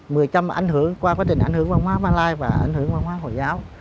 mười trăm ánh hưởng qua quá trình ảnh hưởng văn hóa mã lai và ảnh hưởng văn hóa hồi giáo